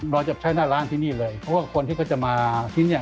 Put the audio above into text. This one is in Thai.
เราจะใช้หน้าร้านที่นี่เลยเพราะว่าคนที่เขาจะมาที่นี่